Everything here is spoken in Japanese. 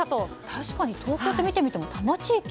確かに東京って見てみても多摩地域。